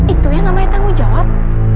itu yang namanya tanggung jawab